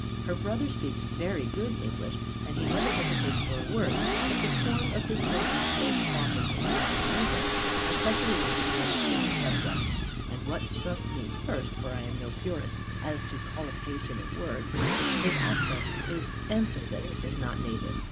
Her brother speaks very good English, and never hesitates for a word; but the form of his sentences often is not English; especially when he warms to his subject; and (what struck me first, for I am no purist as to collocation of words) his accent, his emphasis is not native.